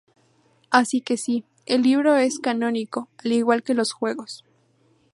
Así que sí, el libro es canónico, al igual que los juegos.